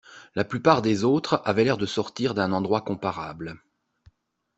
La plupart des autres avaient l’air de sortir d’un endroit comparable